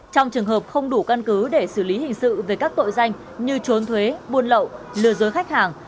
trong trường hợp không đủ căn cứ để xử lý hình sự về các tội danh như trốn thuế buôn lậu lừa dối khách hàng